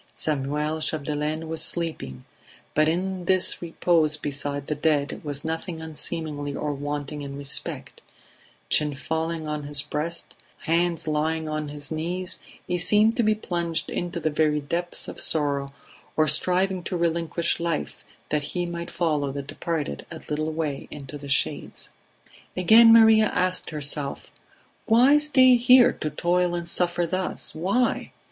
Samuel Chapdelaine was sleeping; but in this repose beside the dead was nothing unseemly or wanting in respect; chin fallen on his breast, hands lying open on his knees, he seemed to be plunged into the very depths of sorrow or striving to relinquish life that he might follow the departed a little way into the shades. Again Maria asked herself: "Why stay here, to toil and suffer thus? Why?